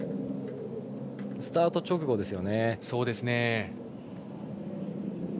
スタート直後ですよね。